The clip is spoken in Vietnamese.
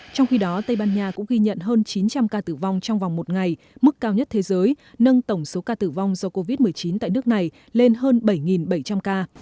trong khi đó tây ban nha cũng ghi nhận hơn chín trăm linh ca tử vong trong vòng một ngày mức cao nhất thế giới nâng tổng số ca tử vong do covid một mươi chín tại nước này lên hơn bảy bảy trăm linh ca